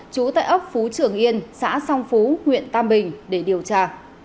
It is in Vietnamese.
trú tại ốc phú trường yên xã song phú huyện tam bình để điều tra